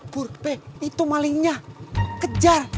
pur pek itu malingnya kejar